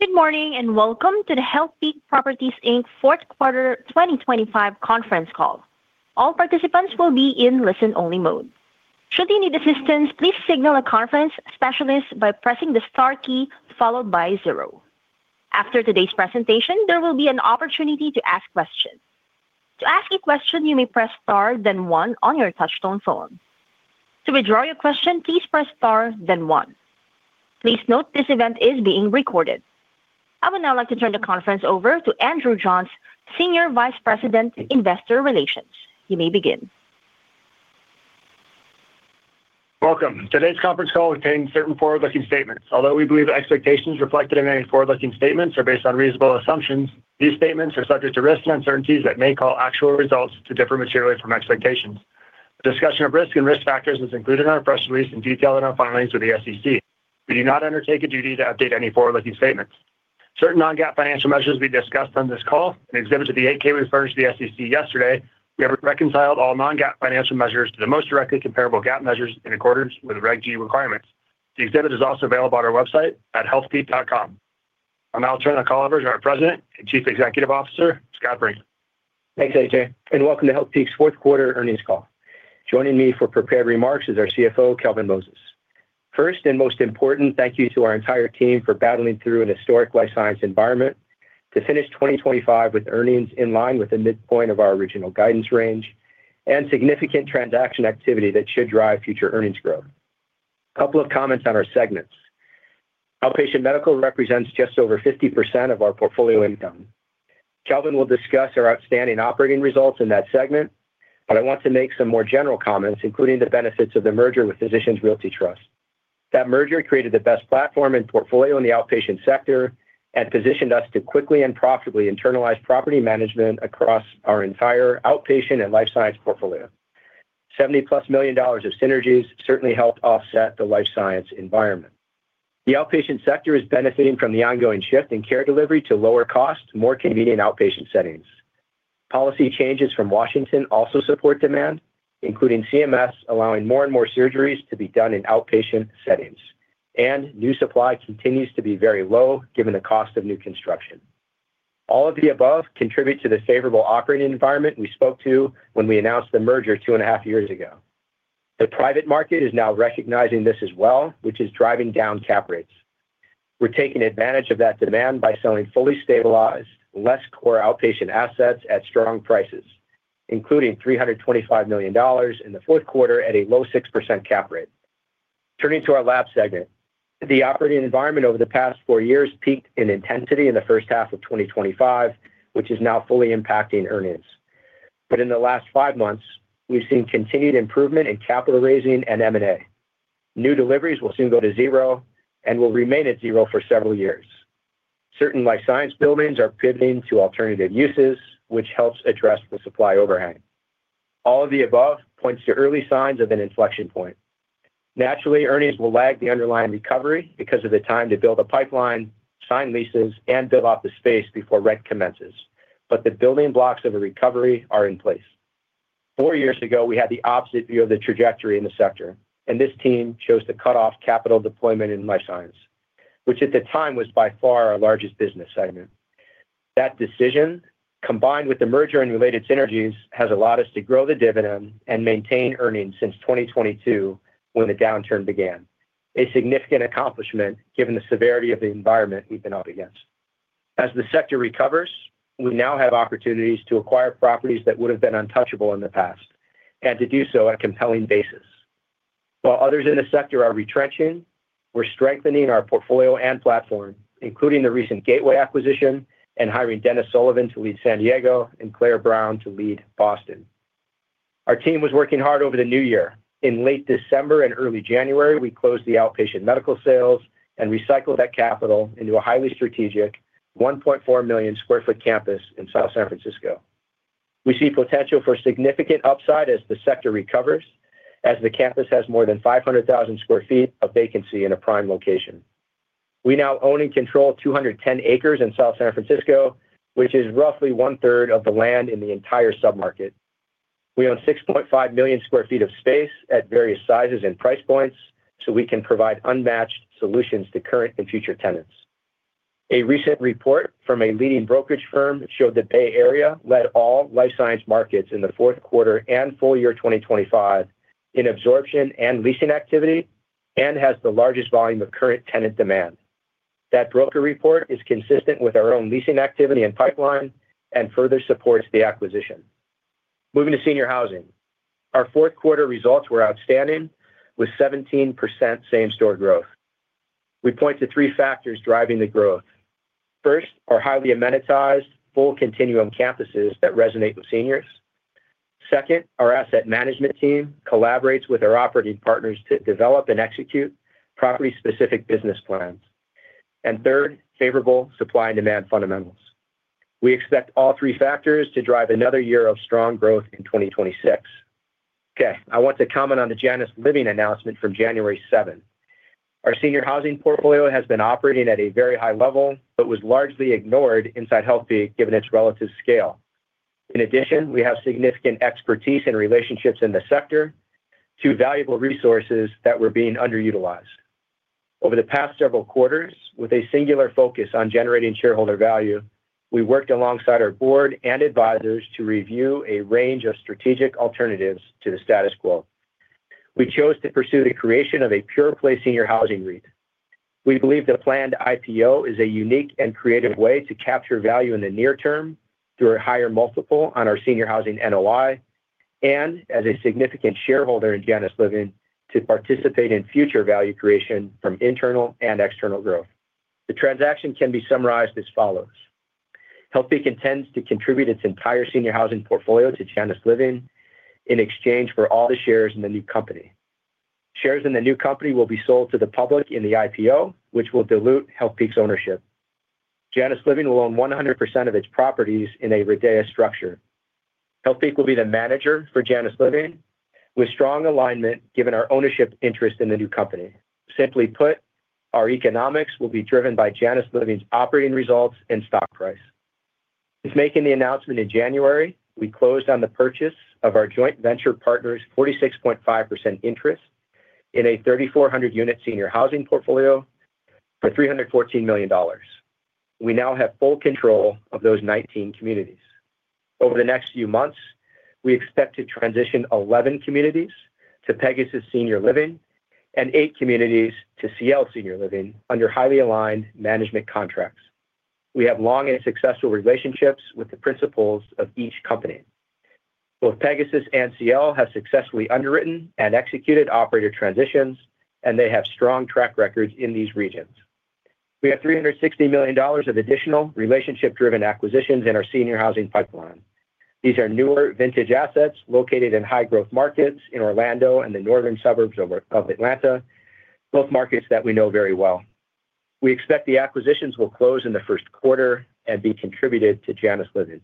Good morning, and welcome to the Healthpeak Properties, Inc.'s Fourth Quarter 2025 Conference Call. All participants will be in listen-only mode. Should you need assistance, please signal a conference specialist by pressing the star key followed by zero. After today's presentation, there will be an opportunity to ask questions. To ask a question, you may press star, then one on your touch-tone phone. To withdraw your question, please press star, then one. Please note, this event is being recorded. I would now like to turn the conference over to Andrew Johns, Senior Vice President, Investor Relations. You may begin. Welcome. Today's conference call contains certain forward-looking statements. Although we believe the expectations reflected in any forward-looking statements are based on reasonable assumptions, these statements are subject to risks and uncertainties that may cause actual results to differ materially from expectations. A discussion of risks and risk factors is included in our press release and detailed in our filings with the SEC. We do not undertake a duty to update any forward-looking statements. Certain non-GAAP financial measures will be discussed on this call and exhibit to the 8-K we furnished to the SEC yesterday. We have reconciled all non-GAAP financial measures to the most directly comparable GAAP measures in accordance with Reg G requirements. The exhibit is also available on our website at healthpeak.com. I'll now turn the call over to our President and Chief Executive Officer, Scott Brinker. Thanks, AJ, and welcome to Healthpeak's fourth quarter earnings call. Joining me for prepared remarks is our CFO, Kelvin Moses. First and most important, thank you to our entire team for battling through an historic Life Science environment to finish 2025 with earnings in line with the midpoint of our original guidance range and significant transaction activity that should drive future earnings growth. A couple of comments on our segments. Outpatient Medical represents just over 50% of our portfolio income. Kelvin will discuss our outstanding operating results in that segment, but I want to make some more general comments, including the benefits of the merger with Physicians Realty Trust. That merger created the best platform and portfolio in the Outpatient sector and positioned us to quickly and profitably internalize property management across our entire Outpatient and Life Science portfolio. $70+ million of synergies certainly helped offset the Life Science environment. The Outpatient sector is benefiting from the ongoing shift in care delivery to lower costs, more convenient outpatient settings. Policy changes from Washington also support demand, including CMS, allowing more and more surgeries to be done in outpatient settings, and new supply continues to be very low, given the cost of new construction. All of the above contribute to the favorable operating environment we spoke to when we announced the merger two and a half years ago. The private market is now recognizing this as well, which is driving down cap rates. We're taking advantage of that demand by selling fully stabilized, less core Outpatient assets at strong prices, including $325 million in the fourth quarter at a low 6% cap rate. Turning to our lab segment. The operating environment over the past four years peaked in intensity in the first half of 2025, which is now fully impacting earnings. But in the last five months, we've seen continued improvement in capital raising and M&A. New deliveries will soon go to zero and will remain at zero for several years. Certain Life Science buildings are pivoting to alternative uses, which helps address the supply overhang. All of the above points to early signs of an inflection point. Naturally, earnings will lag the underlying recovery because of the time to build a pipeline, sign leases, and build out the space before rent commences. But the building blocks of a recovery are in place. Four years ago, we had the opposite view of the trajectory in the sector, and this team chose to cut off capital deployment in Life Science, which at the time was by far our largest business segment. That decision, combined with the merger and related synergies, has allowed us to grow the dividend and maintain earnings since 2022 when the downturn began. A significant accomplishment, given the severity of the environment we've been up against. As the sector recovers, we now have opportunities to acquire properties that would have been untouchable in the past and to do so on a compelling basis. While others in the sector are retrenching, we're strengthening our portfolio and platform, including the recent Gateway acquisition and hiring Dennis Sullivan to lead San Diego and Claire Donegan Brown to lead Boston. Our team was working hard over the new year. In late December and early January, we closed the Outpatient Medical sales and recycled that capital into a highly strategic 1.4 million sq ft campus in South San Francisco. We see potential for significant upside as the sector recovers, as the campus has more than 500,000 sq ft of vacancy in a prime location. We now own and control 210 acres in South San Francisco, which is roughly one-third of the land in the entire submarket. We own 6.5 million sq ft of space at various sizes and price points, so we can provide unmatched solutions to current and future tenants. A recent report from a leading brokerage firm showed the Bay Area led all Life Science markets in the fourth quarter and full year 2025 in absorption and leasing activity and has the largest volume of current tenant demand. That broker report is consistent with our own leasing activity and pipeline and further supports the acquisition. Moving to Senior Housing. Our fourth quarter results were outstanding, with 17% same-store growth. We point to three factors driving the growth. First, our highly amenitized full continuum campuses that resonate with seniors. Second, our asset management team collaborates with our operating partners to develop and execute property-specific business plans. And third, favorable supply and demand fundamentals. We expect all three factors to drive another year of strong growth in 2026. Okay, I want to comment on the Janus Living announcement from January 7. Our Senior Housing portfolio has been operating at a very high level, but was largely ignored inside Healthpeak, given its relative scale.... In addition, we have significant expertise and relationships in the sector, two valuable resources that were being underutilized. Over the past several quarters, with a singular focus on generating shareholder value, we worked alongside our board and advisors to review a range of strategic alternatives to the status quo. We chose to pursue the creation of a pure-play Senior Housing REIT. We believe the planned IPO is a unique and creative way to capture value in the near term through a higher multiple on our Senior Housing NOI, and as a significant shareholder in Janus Living, to participate in future value creation from internal and external growth. The transaction can be summarized as follows: Healthpeak intends to contribute its entire Senior Housing portfolio to Janus Living in exchange for all the shares in the new company. Shares in the new company will be sold to the public in the IPO, which will dilute Healthpeak's ownership. Janus Living will own 100% of its properties in a REIT structure. Healthpeak will be the manager for Janus Living, with strong alignment, given our ownership interest in the new company. Simply put, our economics will be driven by Janus Living's operating results and stock price. Since making the announcement in January, we closed on the purchase of our joint venture partner's 46.5% interest in a 3,400-unit Senior Housing portfolio for $314 million. We now have full control of those 19 communities. Over the next few months, we expect to transition 11 communities to Pegasus Senior Living and eight communities to Ciel Senior Living under highly aligned management contracts. We have long and successful relationships with the principals of each company. Both Pegasus and Ciel have successfully underwritten and executed operator transitions, and they have strong track records in these regions. We have $360 million of additional relationship-driven acquisitions in our Senior Housing pipeline. These are newer vintage assets located in high-growth markets in Orlando and the northern suburbs of Atlanta, both markets that we know very well. We expect the acquisitions will close in the first quarter and be contributed to Janus Living.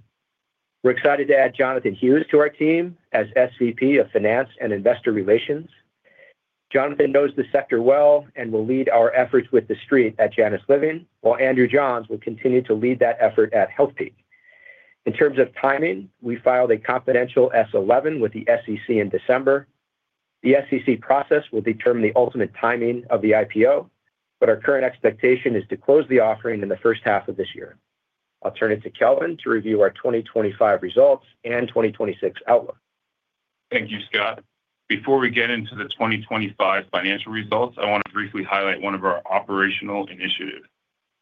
We're excited to add Jonathan Hughes to our team as SVP of Finance and Investor Relations. Jonathan knows the sector well and will lead our efforts with the street at Janus Living, while Andrew Johns will continue to lead that effort at Healthpeak. In terms of timing, we filed a confidential S-11 with the SEC in December. The SEC process will determine the ultimate timing of the IPO, but our current expectation is to close the offering in the first half of this year. I'll turn it to Kelvin to review our 2025 results and 2026 outlook. Thank you, Scott. Before we get into the 2025 financial results, I want to briefly highlight one of our operational initiatives.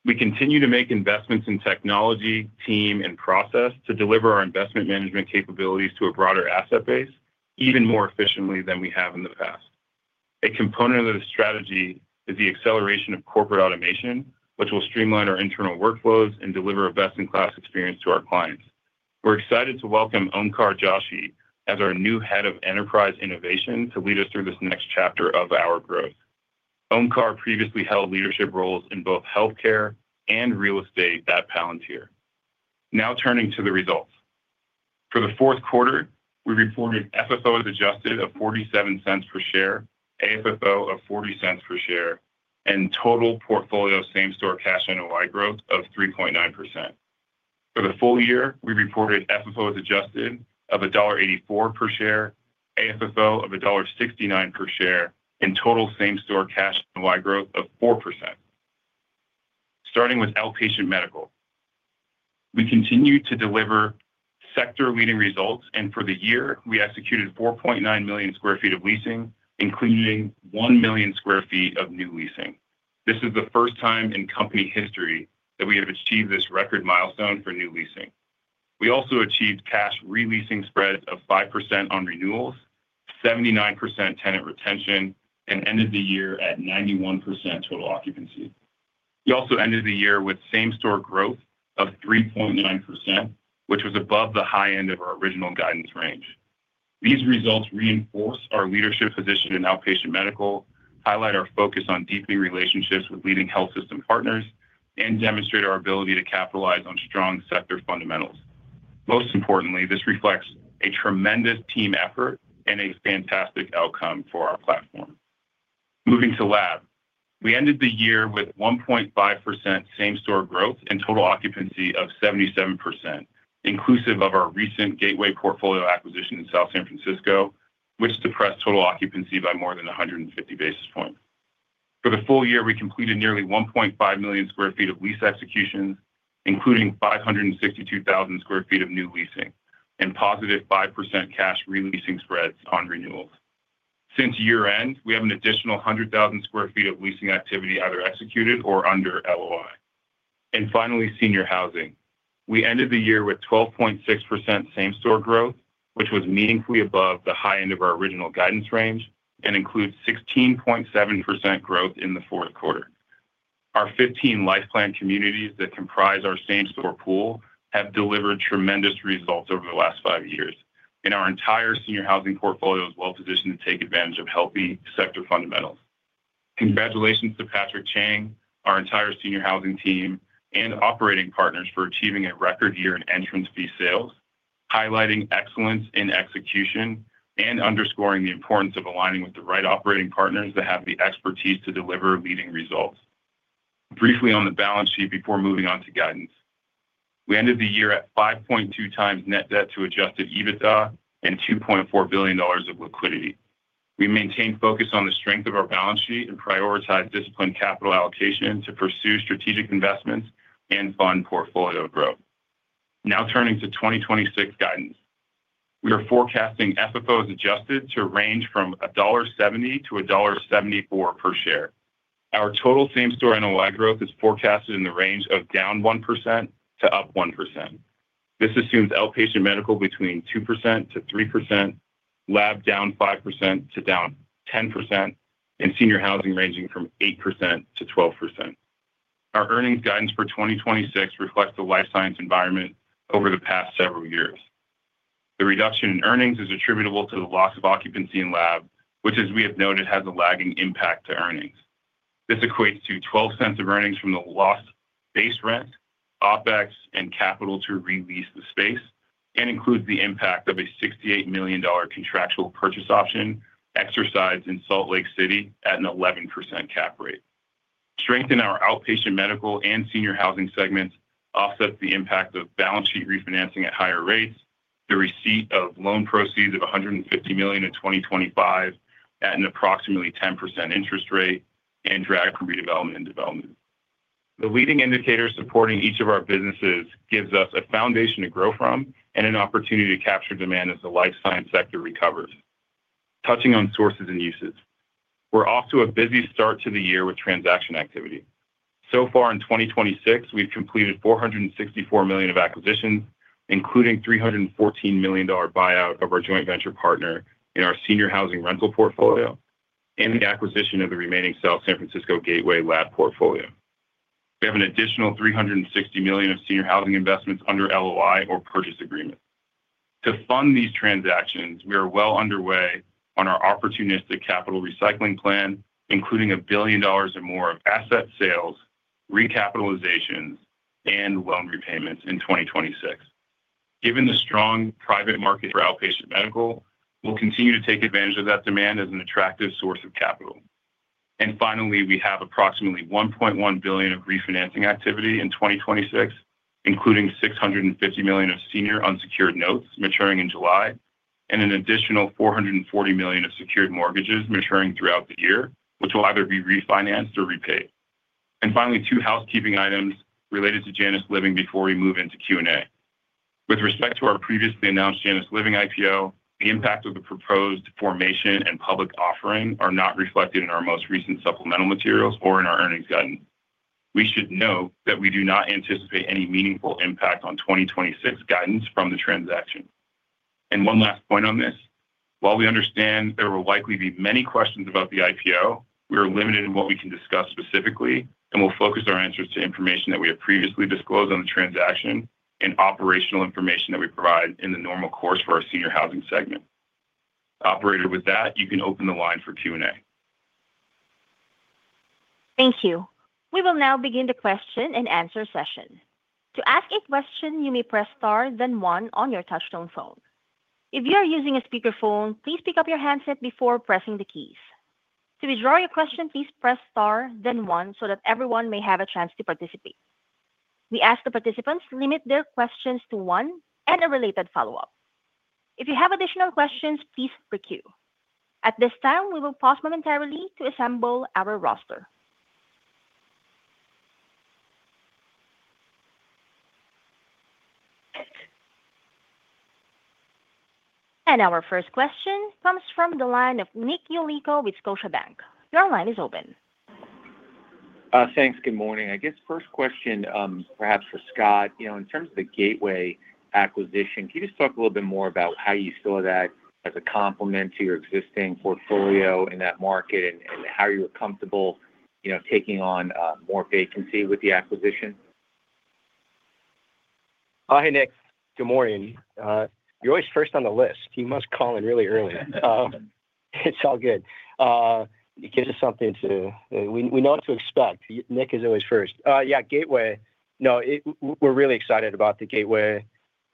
We continue to make investments in technology, team, and process to deliver our investment management capabilities to a broader asset base, even more efficiently than we have in the past. A component of the strategy is the acceleration of corporate automation, which will streamline our internal workflows and deliver a best-in-class experience to our clients. We're excited to welcome Omkar Joshi as our new Head of Enterprise Innovation to lead us through this next chapter of our growth. Omkar previously held leadership roles in both healthcare and real estate at Palantir. Now turning to the results. For the fourth quarter, we reported FFO as adjusted of $0.47 per share, AFFO of $0.40 per share, and total portfolio same-store cash NOI growth of 3.9%. For the full year, we reported FFO as adjusted of $1.84 per share, AFFO of $1.69 per share, and total same-store cash NOI growth of 4%. Starting with Outpatient Medical, we continued to deliver sector-leading results, and for the year, we executed 4.9 million sq ft of leasing, including 1 million sq ft of new leasing. This is the first time in company history that we have achieved this record milestone for new leasing. We also achieved cash re-leasing spreads of 5% on renewals, 79% tenant retention, and ended the year at 91% total occupancy. We also ended the year with same-store growth of 3.9%, which was above the high end of our original guidance range. These results reinforce our leadership position in Outpatient Medical, highlight our focus on deepening relationships with leading health system partners, and demonstrate our ability to capitalize on strong sector fundamentals. Most importantly, this reflects a tremendous team effort and a fantastic outcome for our platform. Moving to lab, we ended the year with 1.5% same-store growth and total occupancy of 77%, inclusive of our recent Gateway portfolio acquisition in South San Francisco, which depressed total occupancy by more than 150 basis points. For the full year, we completed nearly 1.5 million sq ft of lease executions, including 562,000 sq ft of new leasing and positive 5% cash re-leasing spreads on renewals. Since year-end, we have an additional 100,000 sq ft of leasing activity either executed or under LOI. And finally, Senior Housing. We ended the year with 12.6% same-store growth, which was meaningfully above the high end of our original guidance range and includes 16.7% growth in the fourth quarter. Our 15 life plan communities that comprise our same-store pool have delivered tremendous results over the last five years, and our entire Senior Housing portfolio is well positioned to take advantage of healthy sector fundamentals. Congratulations to Patrick Cheng, our entire Senior Housing team, and operating partners for achieving a record year in entrance fee sales, highlighting excellence in execution, and underscoring the importance of aligning with the right operating partners that have the expertise to deliver leading results... Briefly on the balance sheet before moving on to guidance. We ended the year at 5.2x net debt to Adjusted EBITDA and $2.4 billion of liquidity. We maintained focus on the strength of our balance sheet and prioritized disciplined capital allocation to pursue strategic investments and fund portfolio growth. Now turning to 2026 guidance. We are forecasting FFOs adjusted to range from $1.70-$1.74 per share. Our total same-store NOI growth is forecasted in the range of -1%-+1%. This assumes Outpatient Medical between 2%-3%, lab -5% to -10%, and Senior Housing ranging from 8%-12%. Our earnings guidance for 2026 reflects the Life Science environment over the past several years. The reduction in earnings is attributable to the loss of occupancy in lab, which, as we have noted, has a lagging impact to earnings. This equates to $0.12 of earnings from the lost base rent, OpEx, and capital to re-lease the space, and includes the impact of a $68 million contractual purchase option exercised in Salt Lake City at an 11% cap rate. Strength in our Outpatient Medical and Senior Housing segments offset the impact of balance sheet refinancing at higher rates, the receipt of loan proceeds of $150 million in 2025 at an approximately 10% interest rate, and drag from redevelopment and development. The leading indicators supporting each of our businesses gives us a foundation to grow from and an opportunity to capture demand as the Life Science sector recovers. Touching on sources and uses. We're off to a busy start to the year with transaction activity. So far in 2026, we've completed $464 million of acquisitions, including $314 million buyout of our joint venture partner in our Senior Housing rental portfolio and the acquisition of the remaining South San Francisco Gateway lab portfolio. We have an additional $360 million of Senior Housing investments under LOI or purchase agreement. To fund these transactions, we are well underway on our opportunistic capital recycling plan, including $1 billion or more of asset sales, recapitalizations, and loan repayments in 2026. Given the strong private market for Outpatient Medical, we'll continue to take advantage of that demand as an attractive source of capital. Finally, we have approximately $1.1 billion of refinancing activity in 2026, including $650 million of senior unsecured notes maturing in July and an additional $440 million of secured mortgages maturing throughout the year, which will either be refinanced or repaid. Finally, two housekeeping items related to Janus Living before we move into Q&A. With respect to our previously announced Janus Living IPO, the impact of the proposed formation and public offering are not reflected in our most recent supplemental materials or in our earnings guidance. We should note that we do not anticipate any meaningful impact on 2026 guidance from the transaction. And one last point on this. While we understand there will likely be many questions about the IPO, we are limited in what we can discuss specifically, and we'll focus our answers to information that we have previously disclosed on the transaction and operational information that we provide in the normal course for our Senior Housing segment. Operator, with that, you can open the line for Q&A. Thank you. We will now begin the question-and-answer session. To ask a question, you may press star, then one on your touchtone phone. If you are using a speakerphone, please pick up your handset before pressing the keys. To withdraw your question, please press star, then one so that everyone may have a chance to participate. We ask the participants to limit their questions to one and a related follow-up. If you have additional questions, please queue. At this time, we will pause momentarily to assemble our roster. Our first question comes from the line of Nick Yulico with Scotiabank. Your line is open. Thanks. Good morning. I guess first question, perhaps for Scott. You know, in terms of the Gateway acquisition, can you just talk a little bit more about how you saw that as a complement to your existing portfolio in that market, and, and how you were comfortable, you know, taking on more vacancy with the acquisition? Oh, hi, Nick. Good morning. You're always first on the list. You must call in really early. It's all good. It gives us something to... We know what to expect. Nick is always first. Yeah, Gateway. No, it—we're really excited about the Gateway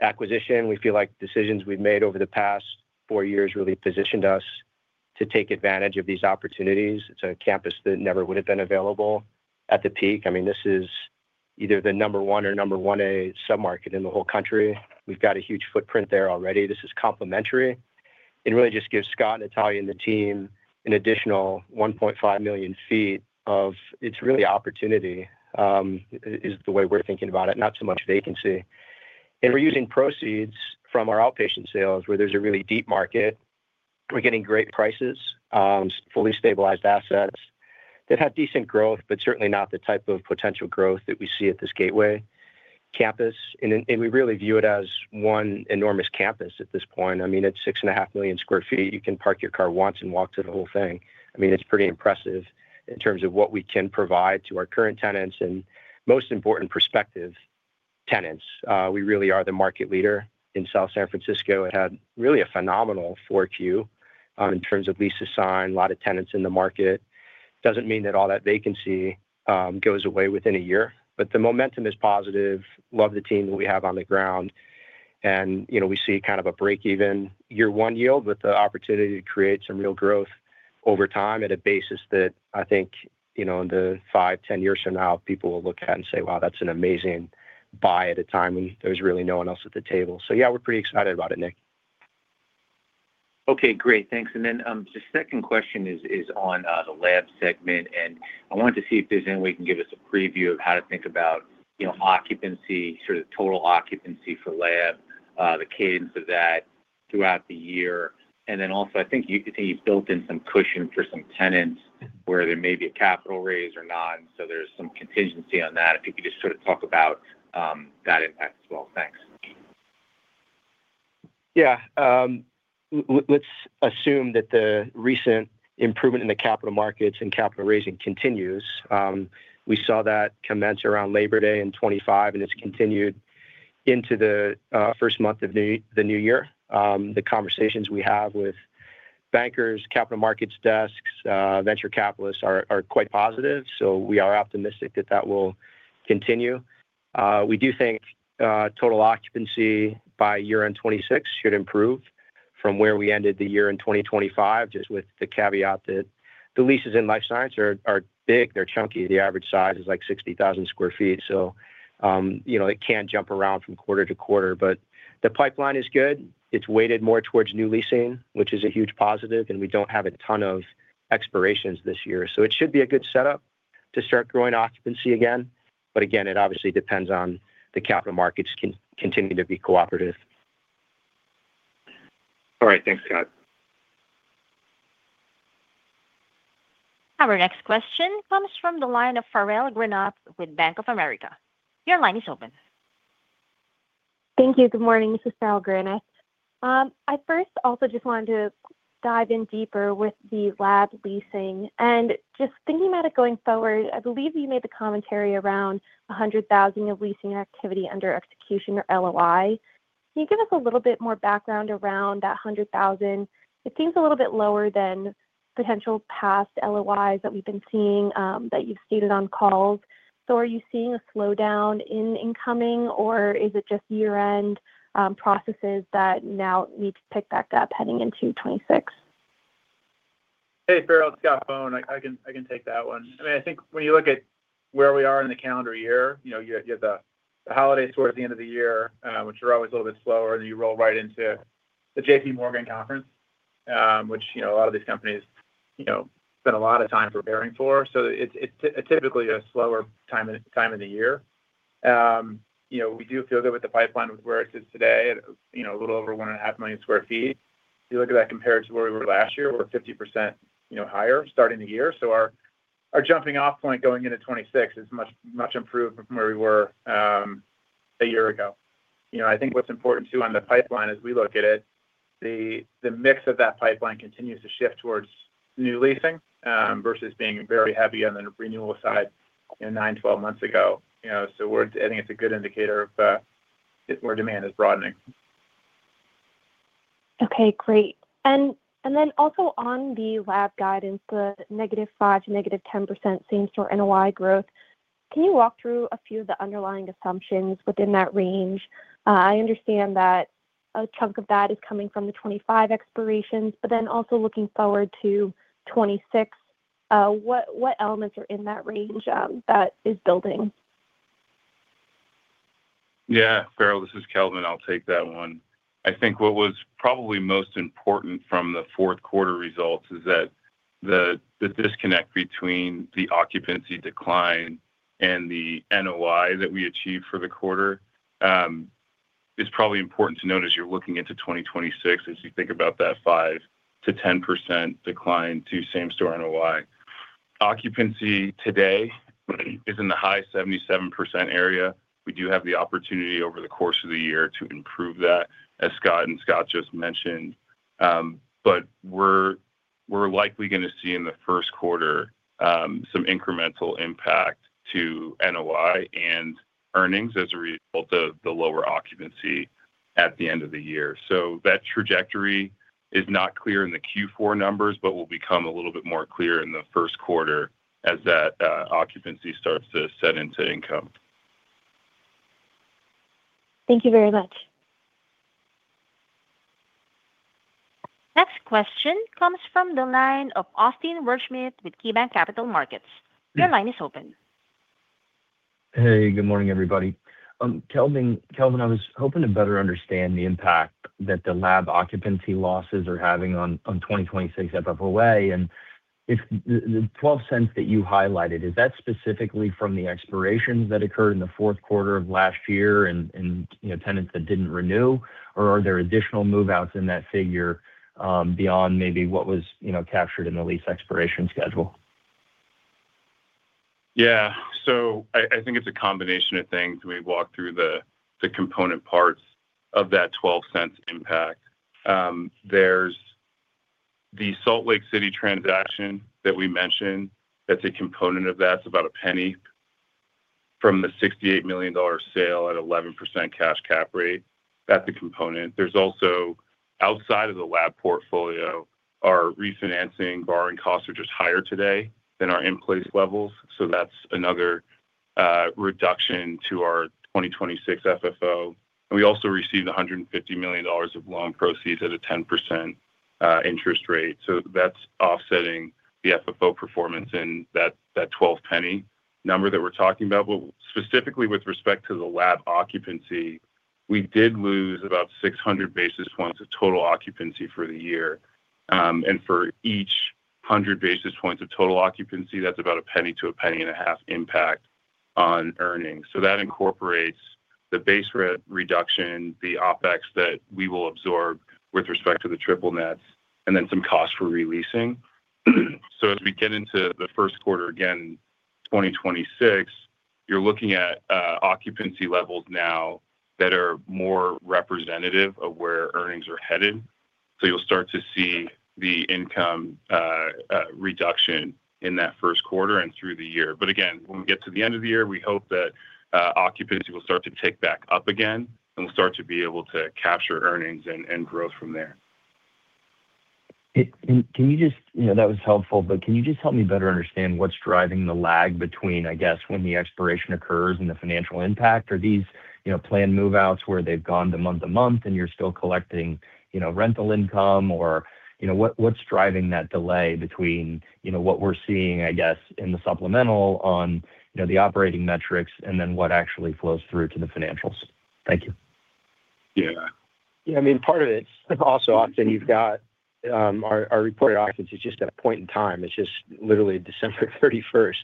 acquisition. We feel like decisions we've made over the past four years really positioned us to take advantage of these opportunities. It's a campus that never would have been available at the peak. I mean, this is either the number one or number one A submarket in the whole country. We've got a huge footprint there already. This is complementary. It really just gives Scott and the team an additional 1.5 million sq ft of... It's really opportunity, is the way we're thinking about it, not so much vacancy. And we're using proceeds from our Outpatient sales, where there's a really deep market. We're getting great prices, fully stabilized assets that have decent growth, but certainly not the type of potential growth that we see at this Gateway campus. And we really view it as one enormous campus at this point. I mean, it's 6.5 million sq ft. You can park your car once and walk to the whole thing. I mean, it's pretty impressive in terms of what we can provide to our current tenants and, most important, prospective tenants. We really are the market leader in South San Francisco. It had really a phenomenal Q4 in terms of leases signed, a lot of tenants in the market. Doesn't mean that all that vacancy goes away within a year, but the momentum is positive. Love the team that we have on the ground. You know, we see kind of a break-even year one yield, with the opportunity to create some real growth over time at a basis that I think, you know, in the five, 10 years from now, people will look at and say, "Wow, that's an amazing buy at a time when there was really no one else at the table." So yeah, we're pretty excited about it, Nick. Okay, great. Thanks. And then the second question is on the Lab segment, and I wanted to see if there's any way you can give us a preview of how to think about, you know, occupancy, sort of total occupancy for Lab, the cadence of that throughout the year. And then also, I think you could say you've built in some cushion for some tenants where there may be a capital raise or not, so there's some contingency on that. If you could just sort of talk about that impact as well. Thanks. Yeah. Let's assume that the recent improvement in the capital markets and capital raising continues. We saw that commence around Labor Day in 2025, and it's continued into the first month of the new year. The conversations we have with bankers, capital markets desks, venture capitalists are quite positive, so we are optimistic that that will continue. We do think total occupancy by year-end 2026 should improve from where we ended the year in 2025, just with the caveat that the leases in Life Science are big, they're chunky. The average size is, like, 60,000 sq ft. So, you know, it can't jump around from quarter to quarter, but the pipeline is good. It's weighted more towards new leasing, which is a huge positive, and we don't have a ton of expirations this year. So it should be a good setup to start growing occupancy again, but again, it obviously depends on the capital markets continue to be cooperative. All right. Thanks, Scott. Our next question comes from the line of Farrell Granath with Bank of America. Your line is open. Thank you. Good morning, this is Farrell Granath. I first also just wanted to dive in deeper with the lab leasing. And just thinking about it going forward, I believe you made the commentary around 100,000 of leasing activity under execution or LOI. Can you give us a little bit more background around that 100,000? It seems a little bit lower than potential past LOIs that we've been seeing, that you've stated on calls. So are you seeing a slowdown in incoming, or is it just year-end processes that now need to pick back up heading into 2026? Hey, Farrell, it's Scott Bohn. I can, I can take that one. I mean, I think when you look at where we are in the calendar year, you know, you've got the holidays towards the end of the year, which are always a little bit slower, then you roll right into the JPMorgan conference, which, you know, a lot of these companies, you know, spend a lot of time preparing for. So it's, it's typically a slower time of, time of the year. You know, we do feel good with the pipeline with where it is today, at, you know, a little over 1.5 million sq ft. If you look at that compared to where we were last year, we're 50%, you know, higher starting the year. So our jumping off point going into 2026 is much, much improved from where we were a year ago. You know, I think what's important, too, on the pipeline as we look at it, the mix of that pipeline continues to shift towards new leasing versus being very heavy on the renewal side, you know, nine, 12 months ago. You know, so we're, I think it's a good indicator of where demand is broadening. Okay, great. And, and then also on the lab guidance, the -5% to -10% same-store NOI growth, can you walk through a few of the underlying assumptions within that range? I understand that a chunk of that is coming from the 2025 expirations, but then also looking forward to 2026, what, what elements are in that range, that is building? Yeah, Farrell, this is Kelvin. I'll take that one. I think what was probably most important from the fourth quarter results is that the disconnect between the occupancy decline and the NOI that we achieved for the quarter is probably important to note as you're looking into 2026, as you think about that 5%-10% decline to same-store NOI. Occupancy today is in the high 77% area. We do have the opportunity over the course of the year to improve that, as Scott and Scott just mentioned. But we're likely gonna see in the first quarter some incremental impact to NOI and earnings as a result of the lower occupancy at the end of the year. So that trajectory is not clear in the Q4 numbers, but will become a little bit more clear in the first quarter as that occupancy starts to set into income. Thank you very much. Next question comes from the line of Austin Wurschmidt with KeyBanc Capital Markets. Your line is open. Hey, good morning, everybody. Kelvin, I was hoping to better understand the impact that the lab occupancy losses are having on 2026 FFOA. And if the $0.12 that you highlighted is that specifically from the expirations that occurred in the fourth quarter of last year and you know tenants that didn't renew or are there additional move-outs in that figure beyond maybe what was you know captured in the lease expiration schedule? Yeah. So I think it's a combination of things. We walked through the component parts of that $0.12 impact. There's the Salt Lake City transaction that we mentioned, that's a component of that. It's about a $0.01 from the $68 million sale at 11% cash cap rate. That's a component. There's also- ... Outside of the lab portfolio, our refinancing borrowing costs are just higher today than our in place levels. So that's another reduction to our 2026 FFO. And we also received $150 million of loan proceeds at a 10% interest rate. So that's offsetting the FFO performance and that $0.12 number that we're talking about. But specifically, with respect to the lab occupancy, we did lose about 600 basis points of total occupancy for the year. And for each 100 basis points of total occupancy, that's about $0.01-$0.015 impact on earnings. So that incorporates the base rent reduction, the OpEx that we will absorb with respect to the triple nets, and then some costs for re-leasing. As we get into the first quarter, again, 2026, you're looking at occupancy levels now that are more representative of where earnings are headed. So you'll start to see the income reduction in that first quarter and through the year. But again, when we get to the end of the year, we hope that occupancy will start to tick back up again, and we'll start to be able to capture earnings and growth from there. Can you just... You know, that was helpful, but can you just help me better understand what's driving the lag between, I guess, when the expiration occurs and the financial impact? Are these, you know, planned move-outs where they've gone to month-to-month, and you're still collecting, you know, rental income, or, you know, what, what's driving that delay between, you know, what we're seeing, I guess, in the supplemental on, you know, the operating metrics, and then what actually flows through to the financials? Thank you. Yeah. Yeah, I mean, part of it's also Austin, you've got... Our reported occupancy is just a point in time. It's just literally December thirty-first.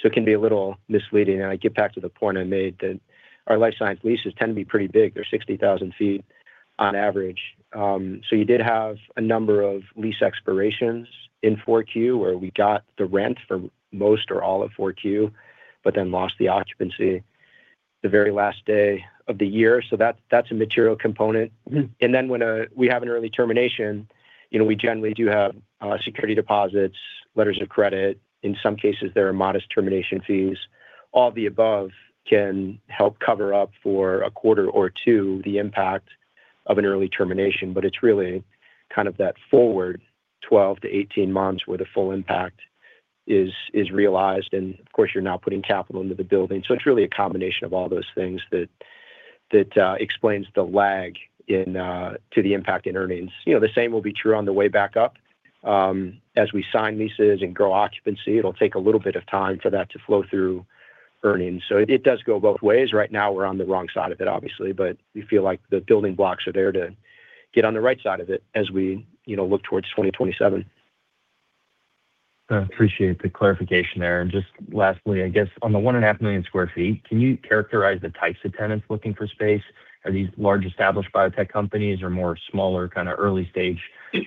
So it can be a little misleading. And I get back to the point I made, that our Life Science leases tend to be pretty big. They're 60,000 sq ft on average. So you did have a number of lease expirations in Q4, where we got the rent for most or all of Q4, but then lost the occupancy the very last day of the year. So that's, that's a material component. And then when we have an early termination, you know, we generally do have security deposits, letters of credit. In some cases, there are modest termination fees. All the above can help cover up for a quarter or two, the impact of an early termination, but it's really kind of that forward 12-18 months, where the full impact is realized, and of course, you're now putting capital into the building. So it's really a combination of all those things that explains the lag in to the impact in earnings. You know, the same will be true on the way back up. As we sign leases and grow occupancy, it'll take a little bit of time for that to flow through earnings. So it does go both ways. Right now, we're on the wrong side of it, obviously, but we feel like the building blocks are there to get on the right side of it, as we, you know, look towards 2027. I appreciate the clarification there. Just lastly, I guess, on the 1.5 million sq ft, can you characterize the types of tenants looking for space? Are these large, established biotech companies or more smaller, kind of early stage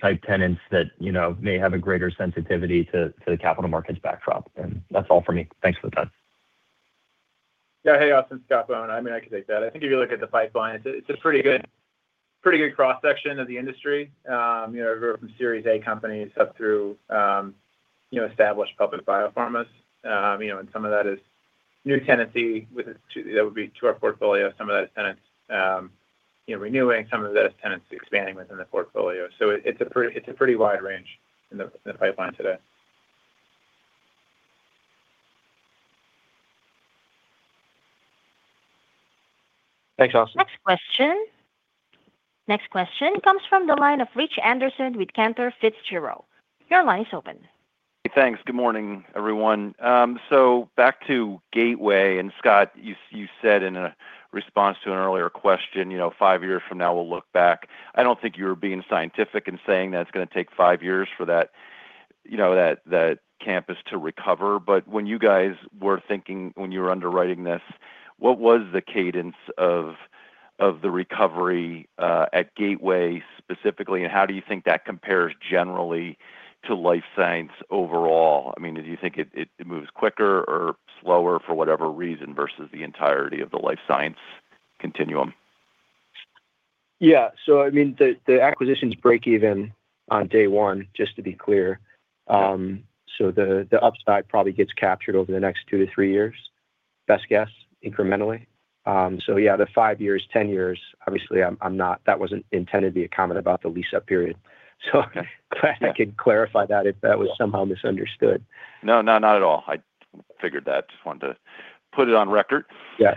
type tenants that, you know, may have a greater sensitivity to the capital markets backdrop? And that's all for me. Thanks for the time. Yeah. Hey, Austin. It's Scott Bohn. I mean, I can take that. I think if you look at the pipeline, it's a pretty good cross-section of the industry. You know, everywhere from Series A companies up through established public biopharmas. You know, and some of that is new tenancy to our portfolio, some of that is tenants renewing, some of that is tenants expanding within the portfolio. So it's a pretty wide range in the pipeline today. Thanks Scott. Next question. Next question comes from the line of Rich Anderson with Cantor Fitzgerald. Your line is open. Thanks. Good morning, everyone. So back to Gateway, and Scott, you, you said in a response to an earlier question, you know, five years from now, we'll look back. I don't think you were being scientific in saying that it's gonna take five years for that, you know, that, that campus to recover. But when you guys were thinking, when you were underwriting this, what was the cadence of, of the recovery, at Gateway specifically, and how do you think that compares generally to Life Science overall? I mean, do you think it, it, it moves quicker or slower for whatever reason, versus the entirety of the Life Science continuum? Yeah. So I mean, the acquisitions break even on day one, just to be clear. So the upside probably gets captured over the next 2-3 years, best guess, incrementally. So yeah, the five years, 10 years, obviously, I'm not - that wasn't intended to be a comment about the lease-up period. So I'm glad I could clarify that, if that was somehow misunderstood. No, no, not at all. I figured that. Just wanted to put it on record. Yeah.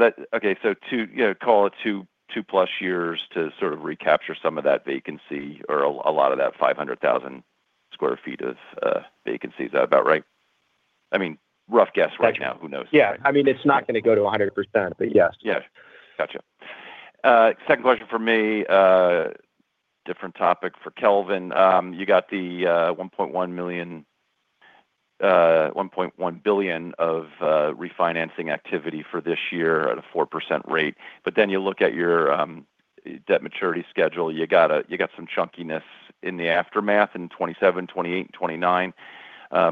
So two, you know, call it two, two-plus years to sort of recapture some of that vacancy or a lot of that 500,000 sq ft of vacancy. Is that about right? I mean, rough guess right now, who knows? Yeah. I mean, it's not gonna go to 100%, but yes. Yeah. Gotcha. Second question for me, different topic for Kelvin. You got the 1.1 million, 1.1 billion of refinancing activity for this year at a 4% rate, but then you look at your debt maturity schedule, you got some chunkiness in the aftermath in 2027, 2028, and 2029,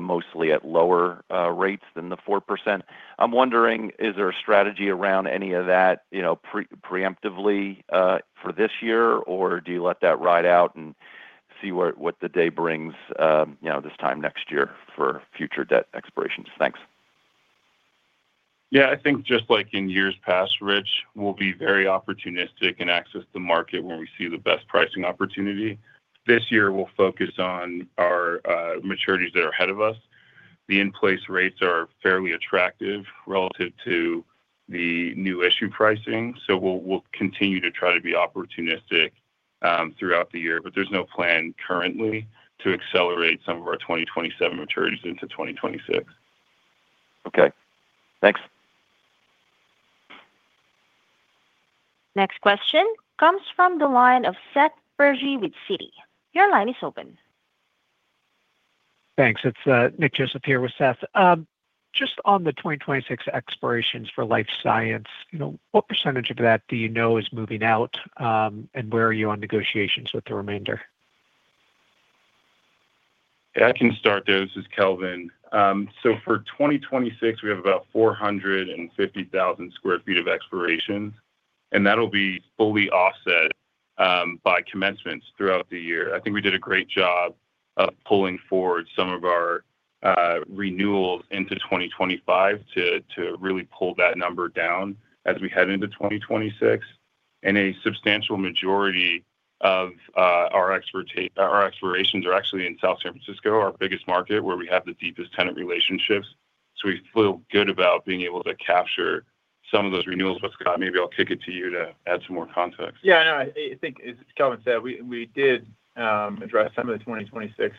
mostly at lower rates than the 4%. I'm wondering, is there a strategy around any of that, you know, preemptively, for this year, or do you let that ride out and see where, what the day brings, you know, this time next year for future debt expirations? Thanks.... Yeah, I think just like in years past, Rich, we'll be very opportunistic and access the market when we see the best pricing opportunity. This year, we'll focus on our maturities that are ahead of us. The in-place rates are fairly attractive relative to the new issue pricing, so we'll continue to try to be opportunistic throughout the year. But there's no plan currently to accelerate some of our 2027 maturities into 2026. Okay, thanks. Next question comes from the line of Seth Bergey with Citi. Your line is open. Thanks. It's Nick Joseph here with Seth. Just on the 2026 expirations for Life Science, you know, what percentage of that do you know is moving out, and where are you on negotiations with the remainder? I can start there. This is Kelvin. So for 2026, we have about 450,000 sq ft of expiration, and that'll be fully offset by commencements throughout the year. I think we did a great job of pulling forward some of our renewals into 2025 to really pull that number down as we head into 2026. And a substantial majority of our expirations are actually in South San Francisco, our biggest market, where we have the deepest tenant relationships. So we feel good about being able to capture some of those renewals. But, Scott, maybe I'll kick it to you to add some more context. Yeah, I know. I think as Kelvin said, we did address some of the 2026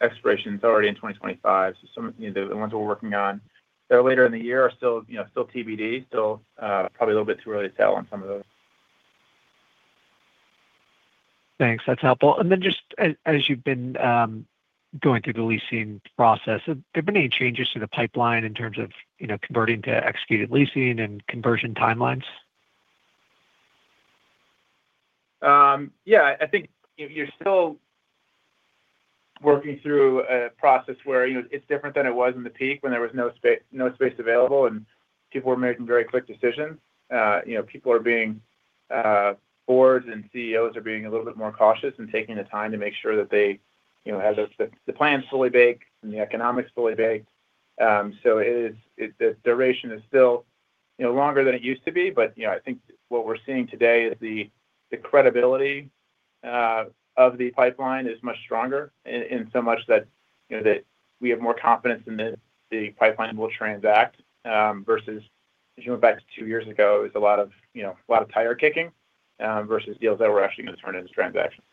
expirations already in 2025. So some of, you know, the ones we're working on that are later in the year are still, you know, still TBD. So, probably a little bit too early to tell on some of those. Thanks. That's helpful. And then just as you've been going through the leasing process, have there been any changes to the pipeline in terms of, you know, converting to executed leasing and conversion timelines? Yeah, I think if you're still working through a process where, you know, it's different than it was in the peak when there was no space available, and people were making very quick decisions. You know, people are being, boards and CEOs are being a little bit more cautious and taking the time to make sure that they, you know, have the plan's fully baked and the economics fully baked. So the duration is still, you know, longer than it used to be, but, you know, I think what we're seeing today is the credibility of the pipeline is much stronger in so much that, you know, that we have more confidence in the pipeline will transact versus if you went back to two years ago, it was a lot of, you know, a lot of tire kicking versus deals that were actually gonna turn into transactions.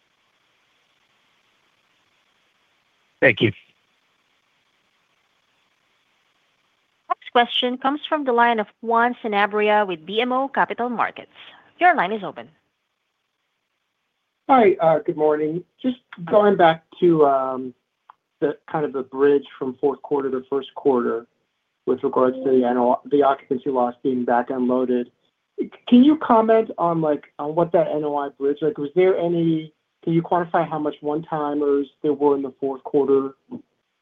Thank you. Next question comes from the line of Juan Sanabria with BMO Capital Markets. Your line is open. Hi. Good morning. Just going back to the kind of bridge from fourth quarter to first quarter with regards to the occupancy loss being back end loaded. Can you comment on, like, on what that NOI bridge, like, was there any... Can you quantify how much one-timers there were in the fourth quarter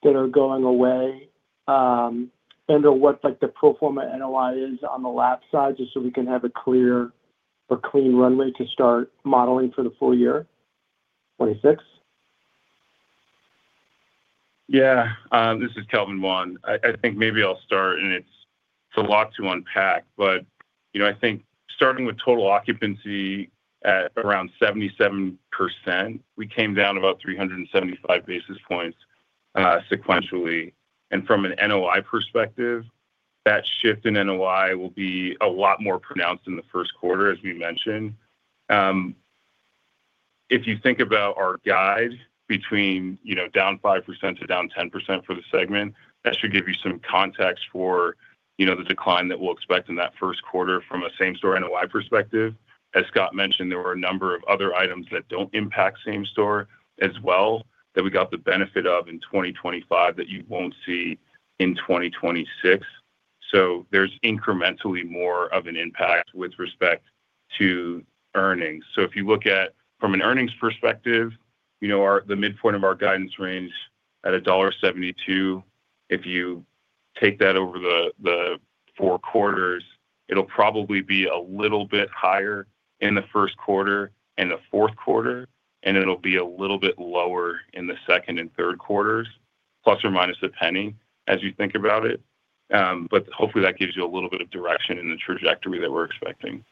that are going away? And/or what, like, the pro forma NOI is on the lab side, just so we can have a clear or clean runway to start modeling for the full year, 2026. Yeah. This is Kelvin, Juan. I think maybe I'll start, and it's a lot to unpack. But, you know, I think starting with total occupancy at around 77%, we came down about 375 basis points sequentially. And from an NOI perspective, that shift in NOI will be a lot more pronounced in the first quarter, as we mentioned. If you think about our guide between, you know, down 5% to down 10% for the segment, that should give you some context for, you know, the decline that we'll expect in that first quarter from a same-store NOI perspective. As Scott mentioned, there were a number of other items that don't impact same store as well, that we got the benefit of in 2025 that you won't see in 2026. So there's incrementally more of an impact with respect to earnings. So if you look at, from an earnings perspective, you know, our the midpoint of our guidance range at $1.72, if you take that over the four quarters, it'll probably be a little bit higher in the first quarter and the fourth quarter, and it'll be a little bit lower in the second and third quarters, plus or minus $0.01, as you think about it. But hopefully, that gives you a little bit of direction in the trajectory that we're expecting.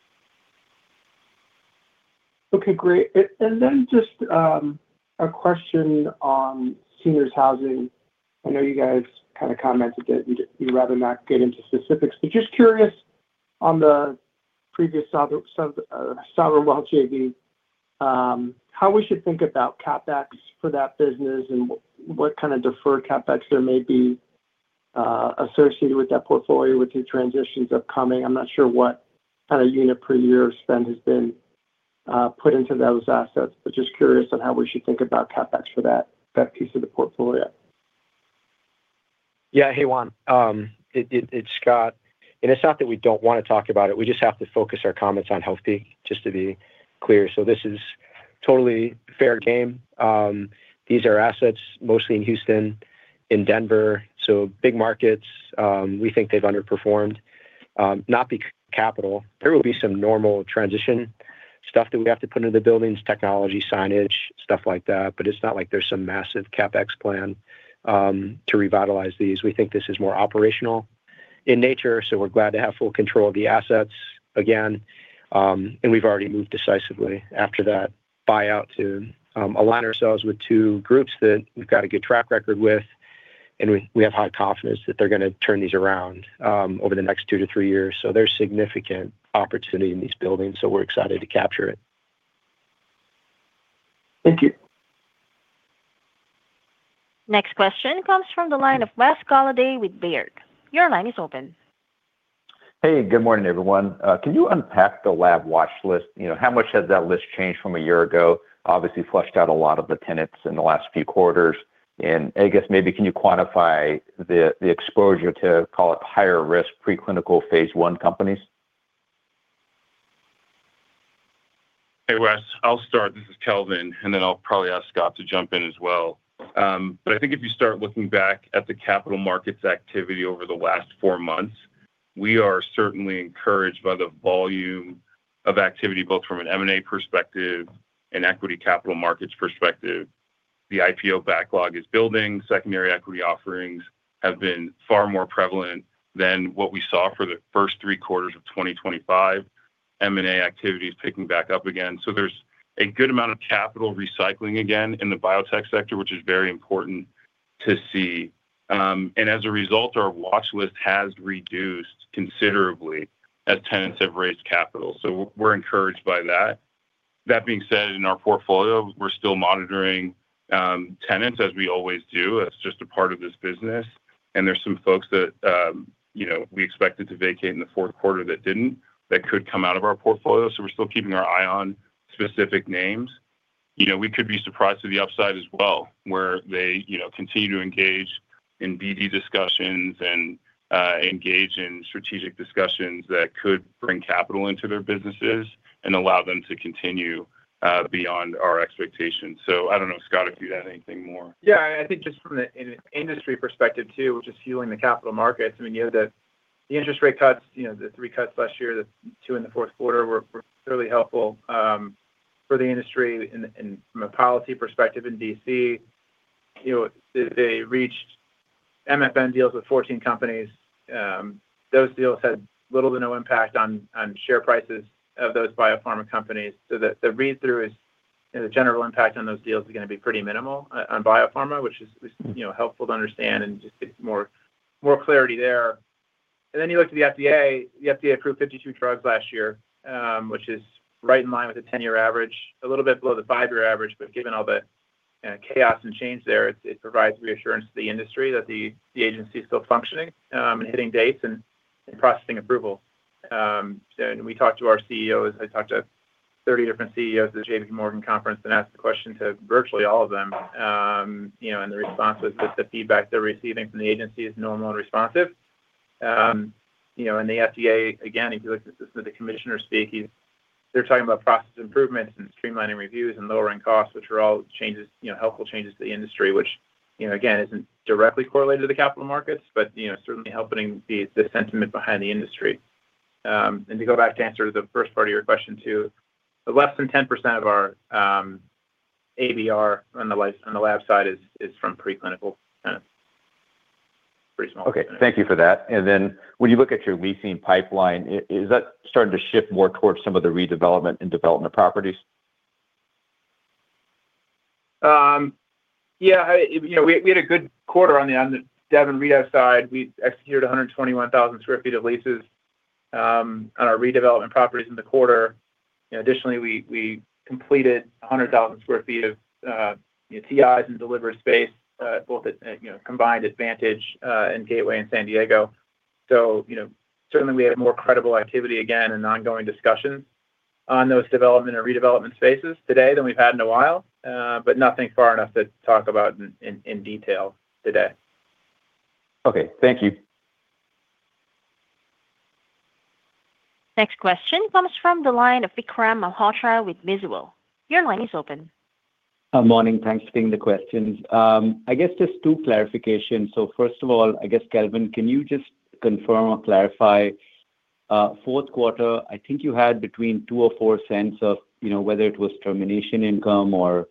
Okay, great. And then just a question on seniors' housing. I know you guys kind of commented that you'd rather not get into specifics. But just curious on the previous sub Sovereign Wealth JV, how we should think about CapEx for that business and what kind of deferred CapEx there may be associated with that portfolio with the transitions upcoming? I'm not sure what kind of unit per year spend has been put into those assets, but just curious on how we should think about CapEx for that piece of the portfolio. Yeah. Hey, Juan, it, it's Scott, and it's not that we don't want to talk about it, we just have to focus our comments on Healthpeak, just to be clear. So this is totally fair game. These are assets mostly in Houston, in Denver, so big markets, we think they've underperformed, not be capital. There will be some normal transition-... stuff that we have to put into the buildings, technology, signage, stuff like that. But it's not like there's some massive CapEx plan to revitalize these. We think this is more operational in nature, so we're glad to have full control of the assets again. And we've already moved decisively after that buyout to align ourselves with two groups that we've got a good track record with, and we have high confidence that they're gonna turn these around over the next 2-3 years. So there's significant opportunity in these buildings, so we're excited to capture it. Thank you. Next question comes from the line of Wes Golladay with Baird. Your line is open. Hey, good morning, everyone. Can you unpack the lab watch list? You know, how much has that list changed from a year ago? Obviously, flushed out a lot of the tenants in the last few quarters. And I guess maybe can you quantify the, the exposure to call it higher risk Preclinical and Phase I companies? Hey, Wes, I'll start. This is Kelvin, and then I'll probably ask Scott to jump in as well. But I think if you start looking back at the capital markets activity over the last four months, we are certainly encouraged by the volume of activity, both from an M&A perspective and equity capital markets perspective. The IPO backlog is building. Secondary equity offerings have been far more prevalent than what we saw for the first three quarters of 2025. M&A activity is picking back up again. So there's a good amount of capital recycling again in the biotech sector, which is very important to see. And as a result, our watch list has reduced considerably as tenants have raised capital, so we're, we're encouraged by that. That being said, in our portfolio, we're still monitoring tenants, as we always do. That's just a part of this business. There's some folks that, you know, we expected to vacate in the fourth quarter that didn't, that could come out of our portfolio. We're still keeping our eye on specific names. You know, we could be surprised to the upside as well, where they, you know, continue to engage in BD discussions and engage in strategic discussions that could bring capital into their businesses and allow them to continue beyond our expectations. I don't know, Scott, if you have anything more. Yeah, I think just from the industry perspective, too, which is fueling the capital markets. I mean, you have the interest rate cuts, you know, the three cuts last year, the two in the fourth quarter were really helpful for the industry. And from a policy perspective in D.C., you know, they reached MFN deals with 14 companies. Those deals had little to no impact on share prices of those biopharma companies. So the read-through is, you know, the general impact on those deals is gonna be pretty minimal on biopharma, which is, you know, helpful to understand and just get more clarity there. And then you look to the FDA. The FDA approved 52 drugs last year, which is right in line with the 10-year average, a little bit below the 5-year average. But given all the chaos and change there, it provides reassurance to the industry that the agency is still functioning and hitting dates and processing approval. And we talked to our CEOs. I talked to 30 different CEOs at the JPMorgan conference and asked the question to virtually all of them. You know, and the response was just the feedback they're receiving from the agency is normal and responsive. You know, and the FDA, again, if you look at the Commissioner speaking, they're talking about process improvements and streamlining reviews and lowering costs, which are all changes, you know, helpful changes to the industry, which, you know, again, isn't directly correlated to the capital markets, but, you know, certainly helping the sentiment behind the industry. To go back to answer the first part of your question, too, less than 10% of our ABR on the Lab side is from preclinical tenants. Pretty small. Okay, thank you for that. And then when you look at your leasing pipeline, is that starting to shift more towards some of the redevelopment and development properties? Yeah, I... You know, we had a good quarter on the dev and redev side. We executed 121,000 sq ft of leases on our redevelopment properties in the quarter. Additionally, we completed 100,000 sq ft of TIs and delivered space both at, you know, Combined Advantage and Gateway in San Diego. So, you know, certainly we have more credible activity again and ongoing discussions on those development or redevelopment spaces today than we've had in a while. But nothing far enough to talk about in detail today. Okay, thank you. Next question comes from the line of Vikram Malhotra with Mizuho. Your line is open. Good morning. Thanks for taking the questions. I guess just two clarifications. So first of all, I guess, Kelvin, can you just confirm or clarify, fourth quarter, I think you had between $0.02 or $0.04 of, you know, whether it was termination income or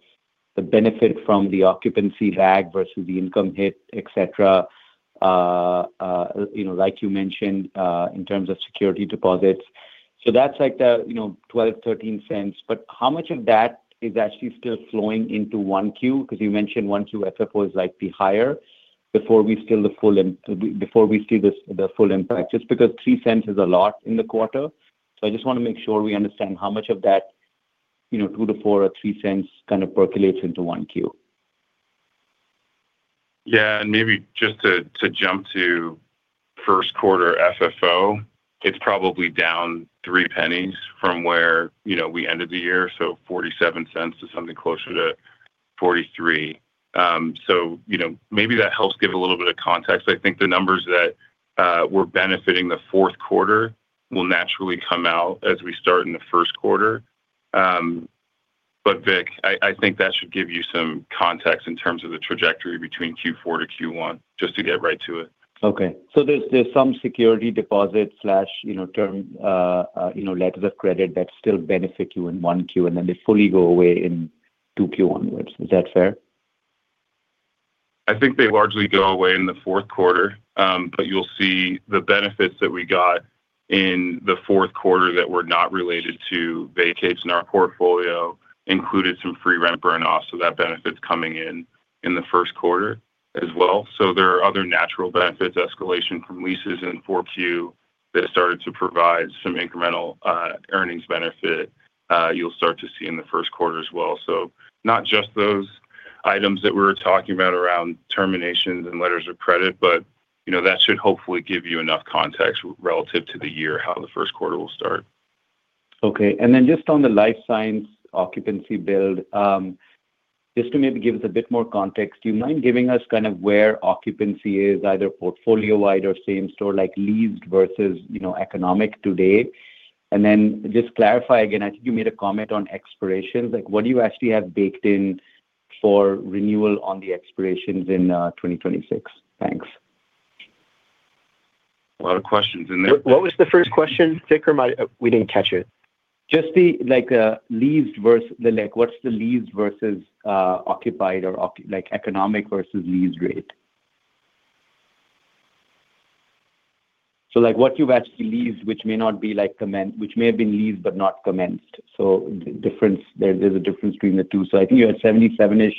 the benefit from the occupancy lag versus the income hit, et cetera. You know, like you mentioned, in terms of security deposits. So that's like the, you know, $0.12, $0.13, but how much of that is actually still flowing into 1Q? Because you mentioned 1Q FFO is likely higher before we see the full impact. Just because $0.03 is a lot in the quarter. So I just want to make sure we understand how much of that, you know, $0.02-$0.04 or $0.03 kind of percolates into one Q. Yeah, and maybe just to jump to first quarter FFO, it's probably down $0.03 from where, you know, we ended the year, so $0.47 to something closer to $0.43. So, you know, maybe that helps give a little bit of context. I think the numbers that were benefiting the fourth quarter will naturally come out as we start in the first quarter.... But Vik, I, I think that should give you some context in terms of the trajectory between Q4 to Q1, just to get right to it. Okay. So there's some security deposit, you know, term, you know, letters of credit that still benefit you in 1Q, and then they fully go away in 2Q onwards. Is that fair? I think they largely go away in the fourth quarter. But you'll see the benefits that we got in the fourth quarter that were not related to vacates in our portfolio, included some free rent burn-offs, so that benefit's coming in in the first quarter as well. So there are other natural benefits, escalation from leases in 4Q that started to provide some incremental earnings benefit, you'll start to see in the first quarter as well. So not just those items that we're talking about around terminations and letters of credit, but, you know, that should hopefully give you enough context relative to the year, how the first quarter will start. Okay. And then just on the Life Science occupancy build, just to maybe give us a bit more context, do you mind giving us kind of where occupancy is, either portfolio-wide or same store, like, leased versus, you know, economic today? And then just clarify again, I think you made a comment on expirations. Like, what do you actually have baked in for renewal on the expirations in 2026? Thanks. A lot of questions in there. What, what was the first question, Vik? Or my-- We didn't catch it. Just the, like, leased versus—like, what's the leased versus occupied. Like, economic versus leased rate. So, like, what you've actually leased, which may not be, like, commenced, which may have been leased but not commenced. So the difference there, there's a difference between the two. So I think you had 77-ish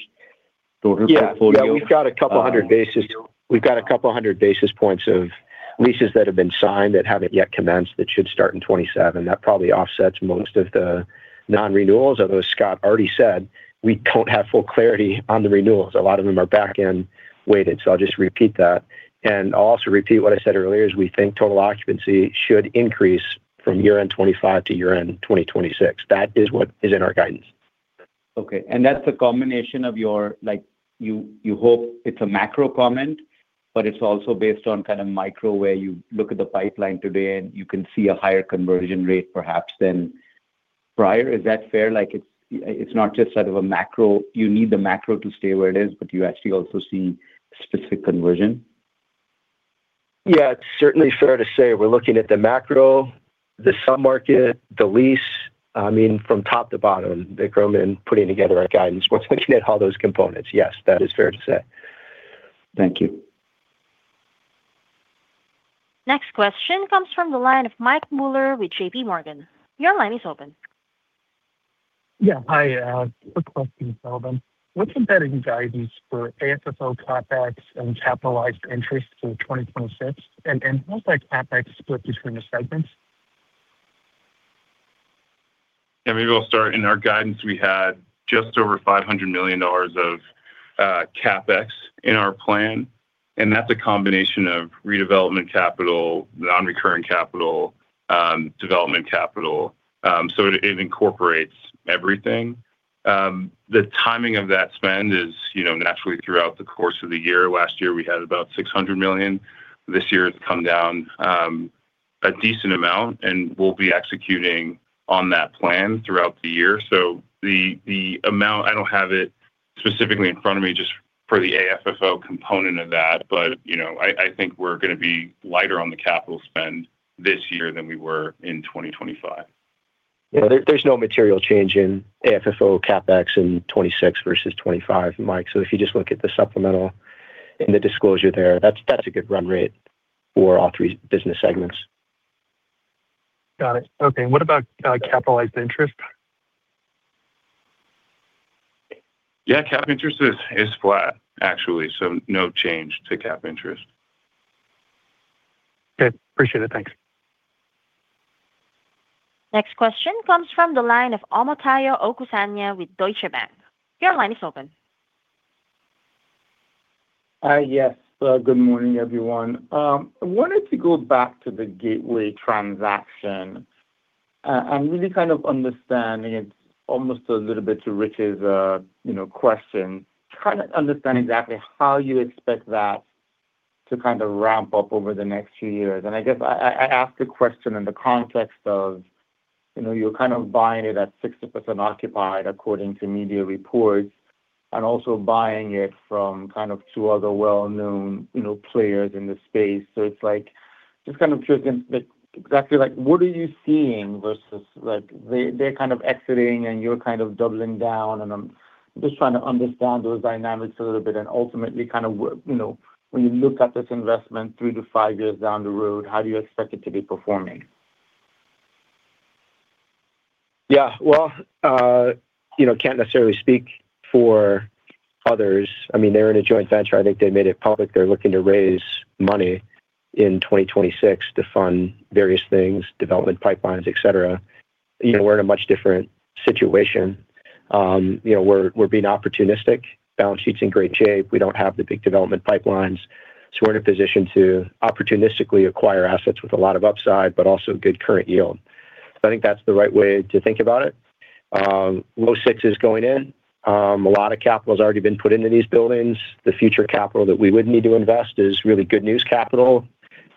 total portfolio. Yeah. Yeah, we've got a couple hundred basis points. We've got a couple hundred basis points of leases that have been signed that haven't yet commenced, that should start in 2027. That probably offsets most of the non-renewals, although Scott already said we don't have full clarity on the renewals. A lot of them are back and weighted. So I'll just repeat that. And I'll also repeat what I said earlier, is we think total occupancy should increase from year-end 2025 to year-end 2026. That is what is in our guidance. Okay. And that's a combination of your—like, you, you hope it's a macro comment, but it's also based on kind of micro, where you look at the pipeline today, and you can see a higher conversion rate, perhaps, than prior. Is that fair? Like, it's, it's not just out of a macro. You need the macro to stay where it is, but you actually also see specific conversion. Yeah, it's certainly fair to say we're looking at the macro, the sub-market, the lease, I mean, from top to bottom, Vikram, in putting together our guidance. We're looking at all those components. Yes, that is fair to say. Thank you. Next question comes from the line of Mike Mueller with JPMorgan. Your line is open. Yeah, hi. Quick question for them. What's embedded in guidance for AFFO CapEx and capitalized interest for 2026? And what's our CapEx split between the segments? Yeah, maybe I'll start. In our guidance, we had just over $500 million of CapEx in our plan, and that's a combination of redevelopment capital, non-recurring capital, development capital. So it incorporates everything. The timing of that spend is, you know, naturally throughout the course of the year. Last year, we had about $600 million. This year, it's come down a decent amount, and we'll be executing on that plan throughout the year. So the amount, I don't have it specifically in front of me just for the AFFO component of that, but, you know, I think we're gonna be lighter on the capital spend this year than we were in 2025. Yeah. There, there's no material change in AFFO CapEx in 2026 versus 2025, Mike. So if you just look at the supplemental in the disclosure there, that's, that's a good run rate for all three business segments. Got it. Okay. And what about capitalized interest? Yeah, cap rate is flat, actually, so no change to cap rate. Okay. Appreciate it. Thanks. Next question comes from the line of Omotayo Okusanya with Deutsche Bank. Your line is open. Yes. Good morning, everyone. I wanted to go back to the Gateway transaction, and really kind of understanding. It's almost a little bit to Rich's, you know, question. Trying to understand exactly how you expect that to kind of ramp up over the next few years. And I guess I, I, I ask the question in the context of, you know, you're kind of buying it at 60% occupied, according to media reports, and also buying it from kind of two other well-known, you know, players in the space. So it's like, just kind of curious, like, exactly like, what are you seeing versus like, they, they're kind of exiting, and you're kind of doubling down, and I'm just trying to understand those dynamics a little bit. Ultimately, kind of, you know, when you look at this investment 3-5 years down the road, how do you expect it to be performing? Yeah, well, you know, can't necessarily speak for others. I mean, they're in a joint venture. I think they made it public. They're looking to raise money in 2026 to fund various things, development pipelines, et cetera. You know, we're in a much different situation. You know, we're being opportunistic. Balance sheet's in great shape. We don't have the big development pipelines, so we're in a position to opportunistically acquire assets with a lot of upside, but also good current yield. So I think that's the right way to think about it. Low sixes going in. A lot of capital has already been put into these buildings. The future capital that we would need to invest is really good news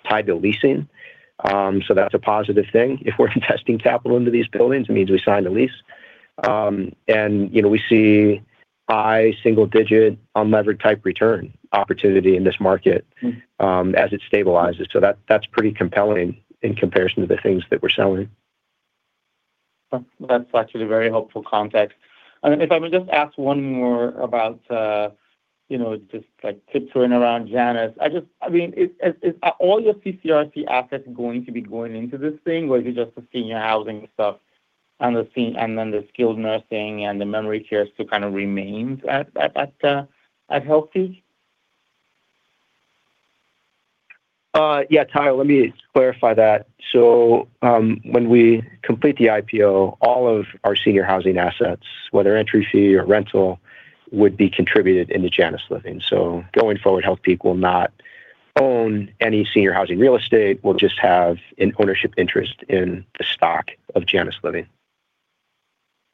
capital... tied to leasing. So that's a positive thing. If we're investing capital into these buildings, it means we signed a lease. You know, we see high single digit unlevered type return opportunity in this market, as it stabilizes. So that, that's pretty compelling in comparison to the things that we're selling. Well, that's actually very helpful context. And if I may just ask one more about, you know, just like tiptoeing around Janus. I just—I mean, are all your CCRC assets going to be going into this thing, or is it just the Senior Housing stuff and the thing, and then the skilled nursing and the memory care still kind of remains at Healthpeak? Yeah, Tayo, let me clarify that. When we complete the IPO, all of our Senior Housing assets, whether entry fee or rental, would be contributed into Janus Living. Going forward, Healthpeak will not own any Senior Housing real estate. We'll just have an ownership interest in the stock of Janus Living.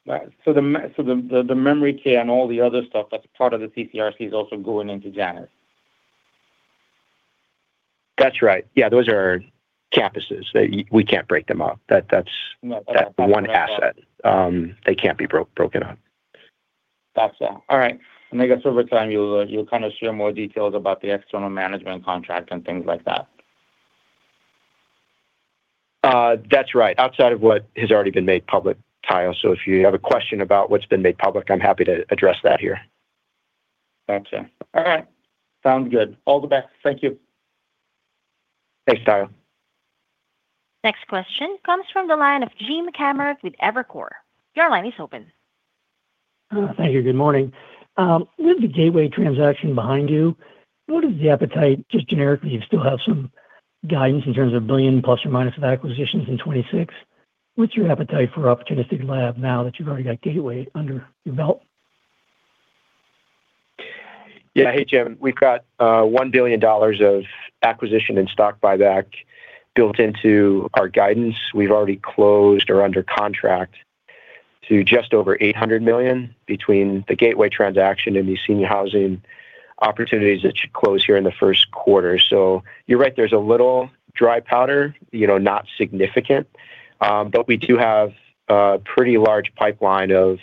Right. So the memory care and all the other stuff that's part of the CCRC is also going into Janus. That's right. Yeah, those are campuses that we can't break them up. That, that's- No. -that one asset. They can't be broken up. Got you. All right. I guess over time, you'll, you'll kind of share more details about the external management contract and things like that. That's right. Outside of what has already been made public, Omotayo. So if you have a question about what's been made public, I'm happy to address that here. Got you. All right. Sounds good. All the best. Thank you. Thanks Omotayo. Next question comes from the line of Jim Kammert with Evercore ISI. Your line is open. Thank you. Good morning. With the Gateway transaction behind you, what is the appetite? Just generically, you still have some guidance in terms of $1 billion± of acquisitions in 2026. What's your appetite for opportunistic lab now that you've already got Gateway under your belt? Yeah. Hey, Jim, we've got $1 billion of acquisition and stock buyback built into our guidance. We've already closed or are under contract to just over $800 million between the Gateway transaction and the Senior Housing opportunities that should close here in the first quarter. So you're right, there's a little dry powder, you know, not significant. But we do have a pretty large pipeline of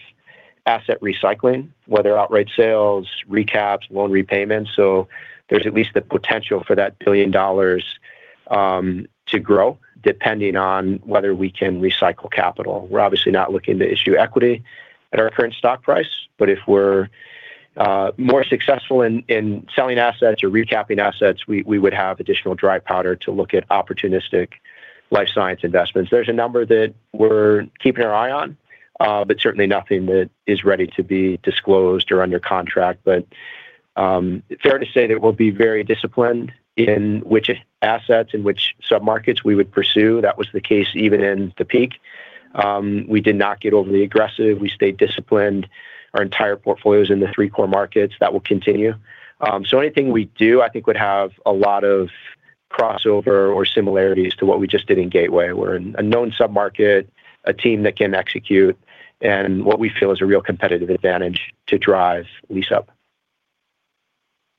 asset recycling, whether outright sales, recaps, loan repayments. So there's at least the potential for that $1 billion to grow, depending on whether we can recycle capital. We're obviously not looking to issue equity at our current stock price, but if we're more successful in selling assets or recapping assets, we would have additional dry powder to look at opportunistic Life Science investments. There's a number that we're keeping our eye on, but certainly nothing that is ready to be disclosed or under contract. But, fair to say that we'll be very disciplined in which assets and which submarkets we would pursue. That was the case even in the peak. We did not get overly aggressive. We stayed disciplined. Our entire portfolio is in the three core markets. That will continue. So anything we do, I think, would have a lot of crossover or similarities to what we just did in Gateway. We're in a known submarket, a team that can execute, and what we feel is a real competitive advantage to drive lease-up.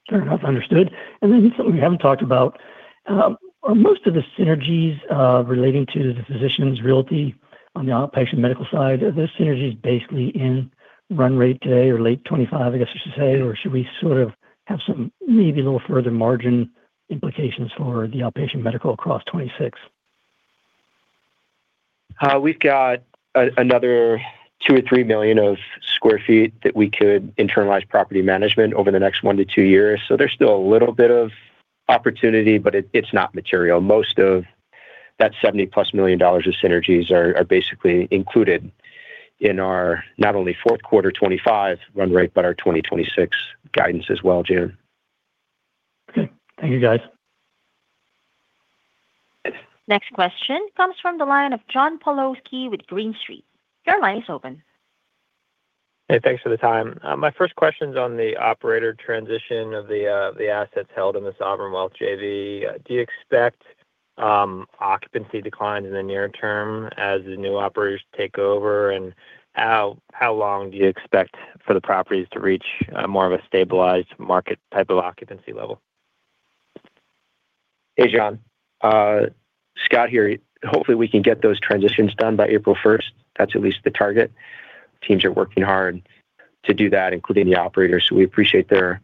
Fair enough. Understood. And then something we haven't talked about, are most of the synergies relating to the Physicians Realty on the Outpatient Medical side, are those synergies basically in run rate today or late 2025, I guess I should say, or should we sort of have some maybe a little further margin implications for the Outpatient Medical across 2026? We've got another 2 or 3 million sq ft that we could internalize property management over the next 1-2 years. So there's still a little bit of opportunity, but it's not material. Most of that $70+ million of synergies are basically included in our not only fourth quarter 2025 run rate, but our 2026 guidance as well, Jim. Okay. Thank you, guys. Next question comes from the line of John Pawlowski with Green Street. Your line is open. Hey, thanks for the time. My first question is on the operator transition of the assets held in the Sovereign Wealth JV. Do you expect occupancy declines in the near term as the new operators take over? And how long do you expect for the properties to reach more of a stabilized market type of occupancy level? Hey, John. Scott here. Hopefully, we can get those transitions done by April first. That's at least the target. Teams are working hard to do that, including the operators. We appreciate their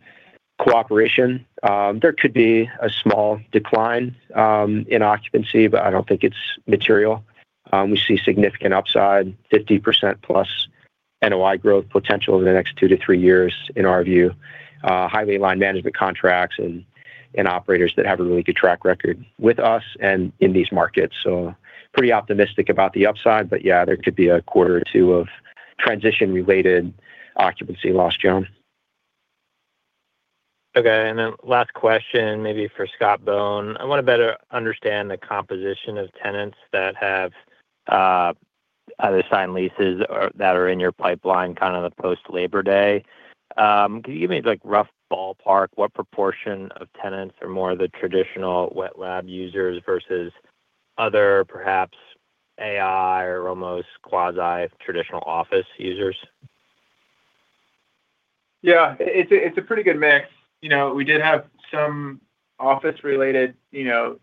cooperation. There could be a small decline in occupancy, but I don't think it's material. We see significant upside, 50%+ NOI growth potential in the next 2-3 years, in our view. Highly aligned management contracts and operators that have a really good track record with us and in these markets. So pretty optimistic about the upside, but yeah, there could be a quarter or two of transition-related occupancy loss, John. Okay, and then last question, maybe for Scott Bohn. I want to better understand the composition of tenants that have either signed leases or that are in your pipeline, kind of the post-Labor Day. Can you give me, like, rough ballpark, what proportion of tenants are more of the traditional wet lab users versus other, perhaps AI or almost quasi-traditional office users?... Yeah, it's a, it's a pretty good mix. You know, we did have some office-related, you know,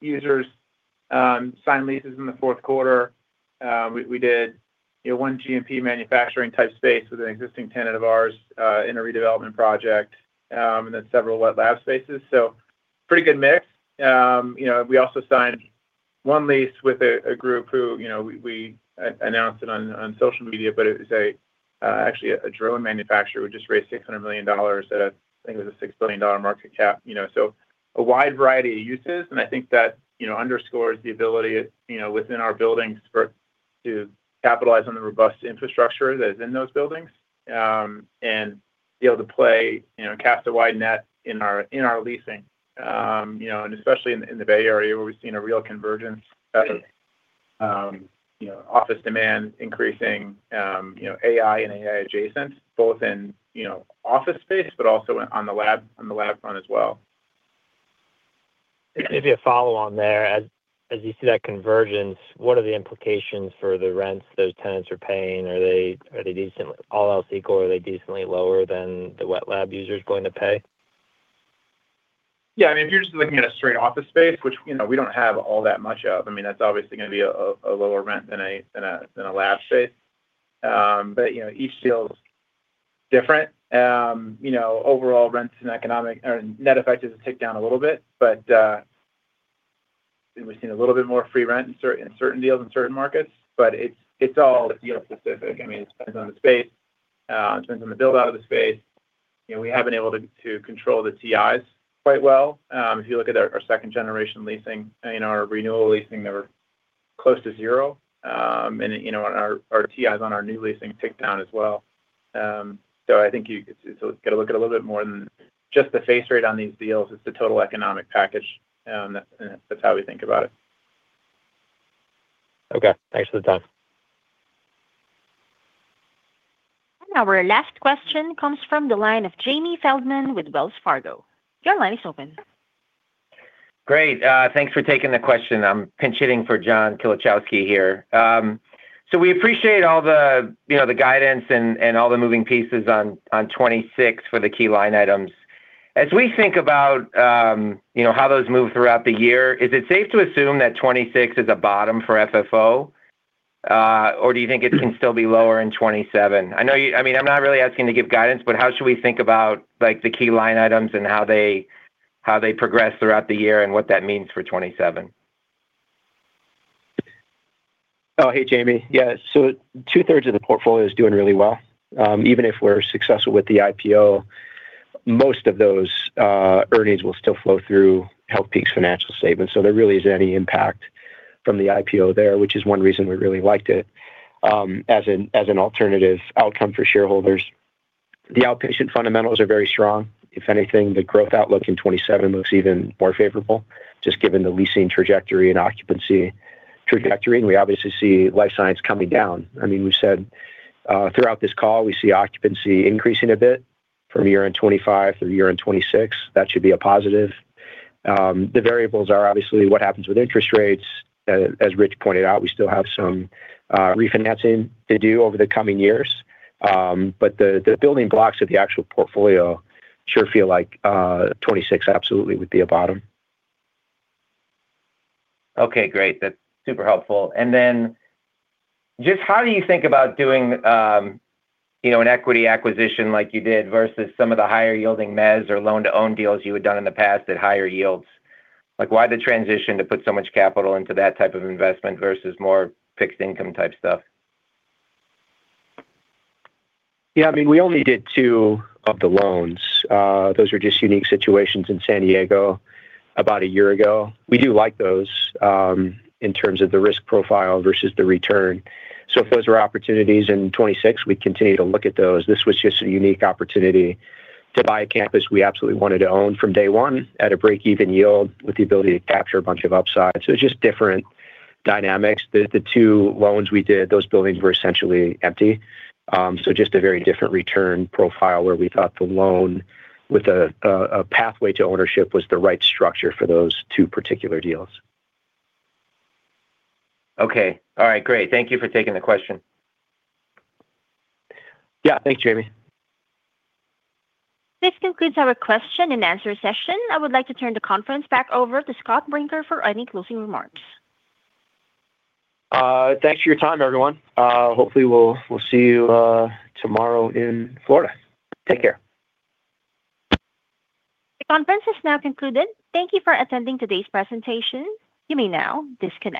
users, sign leases in the fourth quarter. We did, you know, one GMP manufacturing type space with an existing tenant of ours, in a redevelopment project, and then several wet lab spaces. So pretty good mix. You know, we also signed one lease with a group who, you know, we announced it on social media, but it was, actually a drone manufacturer who just raised $600 million at, I think, it was a $6 billion market cap. You know, so a wide variety of uses, and I think that, you know, underscores the ability, you know, within our buildings for to capitalize on the robust infrastructure that is in those buildings, and be able to play, you know, cast a wide net in our, in our leasing. You know, and especially in, in the Bay Area, where we've seen a real convergence of, you know, office demand increasing, you know, AI and AI adjacent, both in, you know, office space, but also on the lab, on the lab front as well. Maybe a follow-on there. As, as you see that convergence, what are the implications for the rents those tenants are paying? Are they, are they decent? All else equal, are they decently lower than the wet lab users going to pay? Yeah, I mean, if you're just looking at a straight office space, which, you know, we don't have all that much of, I mean, that's obviously gonna be a lower rent than a lab space. But, you know, each deal is different. You know, overall rents and economic or net effect is to tick down a little bit, but we've seen a little bit more free rent in certain deals in certain markets, but it's all deal specific. I mean, it depends on the space. It depends on the build-out of the space. You know, we have been able to control the TIs quite well. If you look at our second-generation leasing and our renewal leasing, they were close to zero. You know, and our TIs on our new leasing tick down as well. So I think, so got to look at a little bit more than just the face rate on these deals. It's the total economic package, and that's how we think about it. Okay. Thanks for the time. Our last question comes from the line of Jamie Feldman with Wells Fargo. Your line is open. Great. Thanks for taking the question. I'm pinch-hitting for John Kilichowski here. So we appreciate all the, you know, the guidance and, and all the moving pieces on 2026 for the key line items. As we think about, you know, how those move throughout the year, is it safe to assume that 2026 is a bottom for FFO, or do you think it can still be lower in 2027? I know you, I mean, I'm not really asking to give guidance, but how should we think about, like, the key line items and how they, how they progress throughout the year and what that means for 2027? Oh, hey, Jamie. Yeah, so two-thirds of the portfolio is doing really well. Even if we're successful with the IPO, most of those earnings will still flow through Healthpeak's financial statements, so there really is any impact from the IPO there, which is one reason we really liked it, as an alternative outcome for shareholders. The Outpatient fundamentals are very strong. If anything, the growth outlook in 2027 looks even more favorable, just given the leasing trajectory and occupancy trajectory, and we obviously see Life Science coming down. I mean, we've said throughout this call, we see occupancy increasing a bit from year-end 2025 to the year-end 2026. That should be a positive. The variables are obviously what happens with interest rates. As Rich pointed out, we still have some refinancing to do over the coming years. But the building blocks of the actual portfolio sure feel like, 26 absolutely would be a bottom. Okay, great. That's super helpful. And then just how do you think about doing, you know, an equity acquisition like you did versus some of the higher yielding mezz or loan-to-own deals you had done in the past at higher yields? Like, why the transition to put so much capital into that type of investment versus more fixed income type stuff? Yeah, I mean, we only did two of the loans. Those were just unique situations in San Diego about a year ago. We do like those in terms of the risk profile versus the return. So if those were opportunities in 2026, we'd continue to look at those. This was just a unique opportunity to buy a campus we absolutely wanted to own from day one at a break-even yield, with the ability to capture a bunch of upside. So it's just different dynamics. The two loans we did, those buildings were essentially empty. So just a very different return profile, where we thought the loan with a pathway to ownership was the right structure for those two particular deals. Okay. All right, great. Thank you for taking the question. Yeah. Thanks, Jamie. This concludes our question-and-answer session. I would like to turn the conference back over to Scott Brinker for any closing remarks. Thanks for your time, everyone. Hopefully, we'll, we'll see you tomorrow in Florida. Take care. The conference is now concluded. Thank you for attending today's presentation. You may now disconnect.